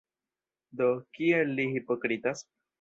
Do, kial li hipokritas?